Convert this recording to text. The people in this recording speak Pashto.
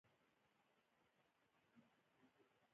خلکو سره په فزيکي توګه اړيکې نيولو ته ترجيح ورکول